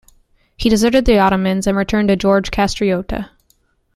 He deserted the Ottomans and returned to George Kastriota.